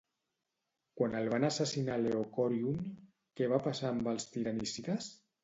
Quan el van assassinar a Leocòrion, què va passar amb els Tiranicides?